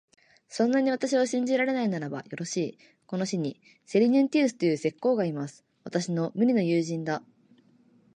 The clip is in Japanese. そんなに私を信じられないならば、よろしい、この市にセリヌンティウスという石工がいます。私の無二の友人だ。